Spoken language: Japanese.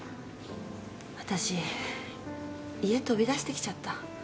わたし家飛び出して来ちゃった。